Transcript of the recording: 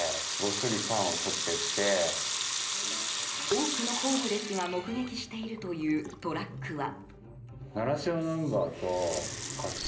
多くのホームレスが目撃しているというトラックは。